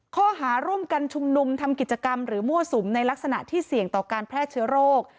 ข้อหาร่วมกันชุมนุมทำกิจกรรมหรือมั่วสุมในลักษณะที่เสี่ยงต่อการแพร่เชื้อโรค